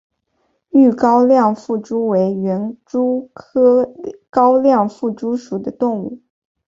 豫高亮腹蛛为园蛛科高亮腹蛛属的动物。